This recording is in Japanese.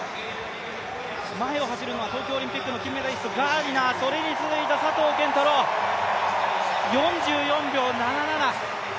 前を走るのは東京オリンピックの金メダリスト・ガーディナーそれに続いた佐藤拳太郎、４４秒７７。